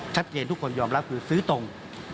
คัดเจนทุกคนยอมรับคือซื้อตรง